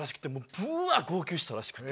ブワ号泣したらしくて。